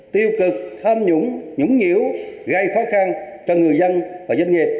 tiêu cực tham nhũng nhũng nhiễu gây khó khăn cho người dân và doanh nghiệp